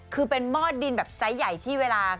คือเป็นหม้อดินแบบไซส์ใหญ่ที่เวลา